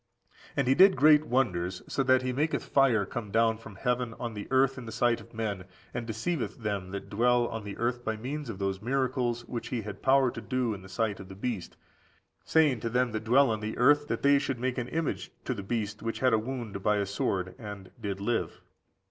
And he did great wonders, so that he maketh fire come down from heaven on the earth in the sight of men, and deceiveth them that dwell on the earth by means of those miracles which he had power to do in the sight of the beast, saying to them that dwell on the earth, that they should make an image to the beast which had the wound by a sword and did live.